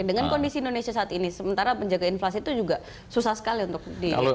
dengan kondisi indonesia saat ini sementara penjaga inflasi itu juga susah sekali untuk di